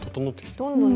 どんどんね